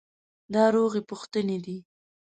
دا روغې پوښتنې دي.